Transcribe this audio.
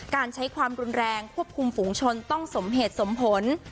การใช้ความรุนแรงควบคุมฝูงชนต้องสมเหตุสมผล